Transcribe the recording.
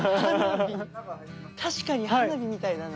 確かに花火みたいだな。